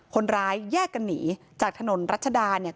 คนร้ายแยกกันหนีจากถนนรัชดาเนี่ย